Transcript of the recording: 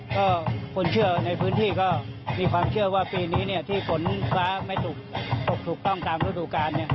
ก็คนเชื่อในพื้นที่ก็มีความเชื่อว่าปีนี้ที่ฝนฟ้าไม่ตกถูกต้องตามฤดูกาล